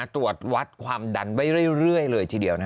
ตรวจวัดความดันไว้เรื่อยเลยทีเดียว